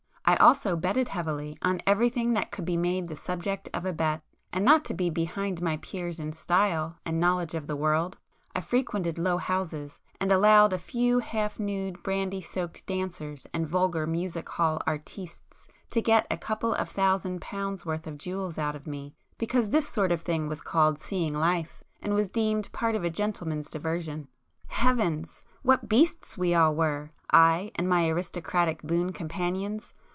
I also betted heavily, on everything that could be made the subject of a bet,—and not to be behind my peers [p 179] in 'style' and 'knowledge of the world' I frequented low houses and allowed a few half nude brandy soaked dancers and vulgar music hall 'artistes' to get a couple of thousand pounds worth of jewels out of me, because this sort of thing was called 'seeing life' and was deemed part of a 'gentleman's' diversion. Heavens!—what beasts we all were, I and my aristocratic boon companions!